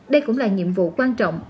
đây cũng là nhiệm vụ quan trọng